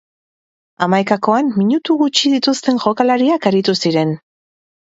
Hamaikakoan minutu gutxi dituzten jokalariak aritu ziren.